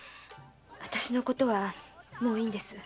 あたしのことはもういいんです。